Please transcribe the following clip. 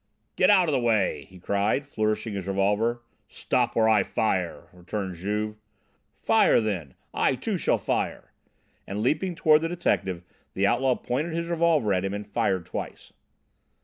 "Get out of the way!" he cried, flourishing his revolver. "Stop, or I fire!" returned Juve. "Fire then! I, too, shall fire!" And, leaping toward the detective, the outlaw pointed his revolver at him and fired twice.